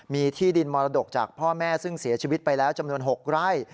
มีที่ดินมรดกจากพ่อแม่ซึ่งเสียชีวิตไปแล้วจำนวน๖ไร่